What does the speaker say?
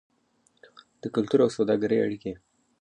د کلتور او سوداګرۍ اړیکې.